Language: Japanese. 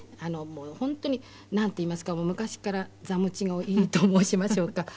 もう本当になんていいますか昔から座持ちがいいと申しましょうか。